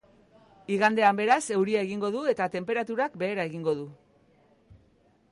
Igandean, beraz, euria egingo du eta tenperaturak behera egingo du.